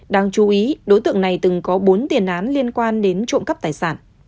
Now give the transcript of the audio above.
đáng chú ý đối tượng này từng có bốn tiền án liên quan đến trộm cắp tài sản